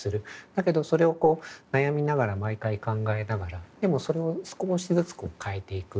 だけどそれをこう悩みながら毎回考えながらでもそれを少しずつ変えていく。